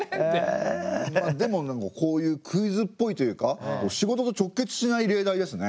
でもこういうクイズっぽいというか仕事と直結しない例題ですね。